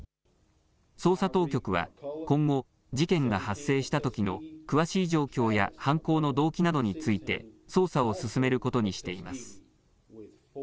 捜査当局は今後、事件が発生したときの詳しい状況や犯行の動機などについて捜査を進めることにしています。